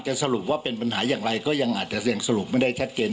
สรุปว่าเป็นปัญหาอย่างไรก็ยังอาจจะยังสรุปไม่ได้ชัดเจน